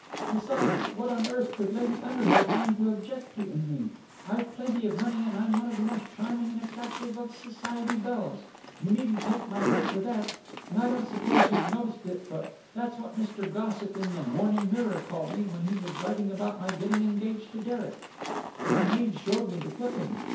Besides, what on earth could Lady Underhill find to object to in me? I've plenty of money, and I'm one of the most charming and attractive of Society belles. You needn't take my word for that, and I don't suppose you've noticed it, but that's what Mr. Gossip in the Morning Mirror called me when he was writing about my getting engaged to Derek. My maid showed me the clipping.